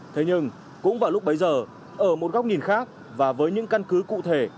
thế nhưng cũng vào lúc bấy giờ ở một góc nhìn khác và với những căn cứ cụ thể